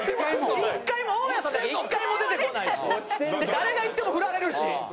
誰がいってもフラれるし。